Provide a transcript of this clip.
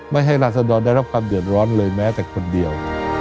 ไม่ให้ราศดรได้รับความเดือดร้อนเลยแม้แต่คนเดียว